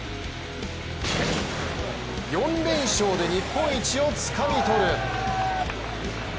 ４連勝で日本一をつかみ取る。